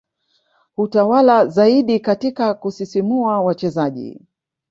hutawala zaidi katika kusisimua wachezaji